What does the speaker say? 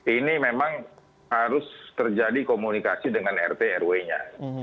ini memang harus terjadi komunikasi dengan rt rw nya